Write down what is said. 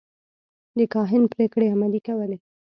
د کاهن پرېکړې عملي کولې.